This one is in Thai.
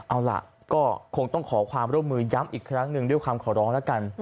เอาล่ะก็คงต้องขอความร่วมมือย้ำอีกครั้งหนึ่งด้วยความขอร้องแล้วกัน